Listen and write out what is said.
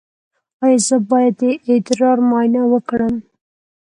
ایا زه باید د ادرار معاینه وکړم؟